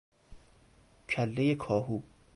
کله کاهو